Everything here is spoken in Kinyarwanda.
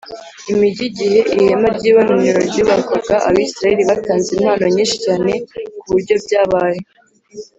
Imig igihe ihema ry ibonaniro ryubakwaga abisirayeli batanze impano nyinshi cyane ku buryo byabaye